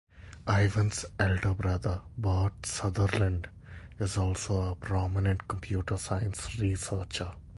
Ivan's elder brother, Bert Sutherland, is also a prominent computer science researcher.